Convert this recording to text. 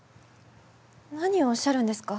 何をおっしゃるんですか？